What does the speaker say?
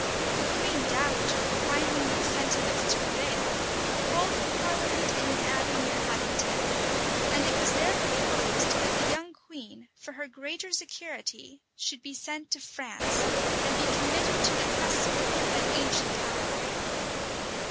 [*] The queen dowager, finding these sentiments to prevail, called a parliament in an abbey near Haddington; and it was there proposed that the young queen, for her greater security, should be sent to France, and be committed to the custody of that ancient ally.